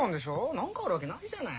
何かあるわけないじゃない。